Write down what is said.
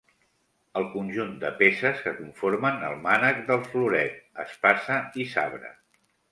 El conjunt de peces que conformen el mànec del floret, espasa i sabre.